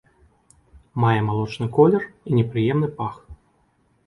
Мае малочны колер і непрыемны пах.